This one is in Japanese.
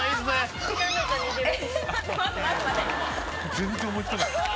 全然思い付かない。